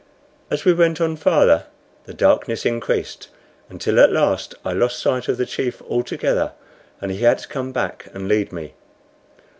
As we went on farther the darkness increased, until at last I lost sight of the chief altogether, and he had to come back and lead me.